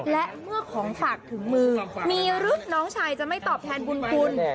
และเมื่อของฝากถึงมือมีหรือน้องชายจะไม่ตอบแทนบุญคุณ